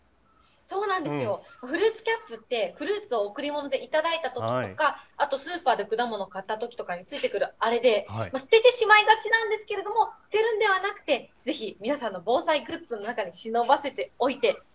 そうなんですよ、フルーツキャップって、フルーツを贈り物で頂いたときとか、あとスーパーで果物買ったときとかについてくるあれで、捨ててしまいがちなんですけれども、捨てるんではなくて、ぜひ、皆さんの防災グッズの中に忍ばせておいて。